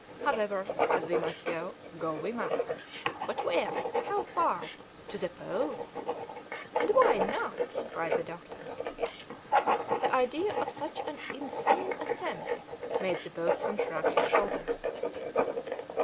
However, as we must go, go we must. But where? how far? To the Pole?" "And why not?" cried the doctor. The idea of such an insane attempt made the boatswain shrug his shoulders.